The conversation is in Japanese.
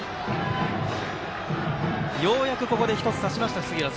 ようやくここで１つ刺せました。